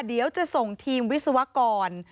เดี๋ยวจะส่งทีมวิศวกร